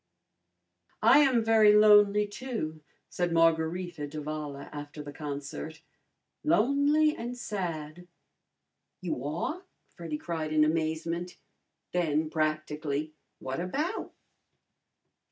"I am very lonely, too," said Margarita d'Avala after the concert "lonely and sad." "You are?" Freddy cried in amazement. Then, practically, "What about?"